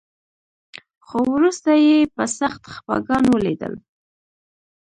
خو وروسته يې په سخت خپګان وليدل.